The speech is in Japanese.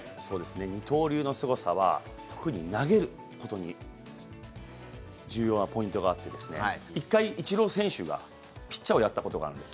二刀流のすごさは特に投げることに重要なポイントがあって１回、イチロー選手がピッチャーをやったことがあるんです。